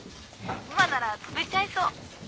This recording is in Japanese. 今なら飛べちゃいそう。